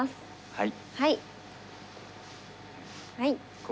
はい。